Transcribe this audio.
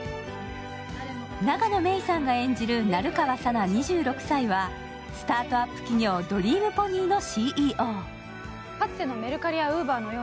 永野芽郁さんが演じる成川佐奈２６歳は、スタートアップ企業ドリームポニーのＣＥＯ。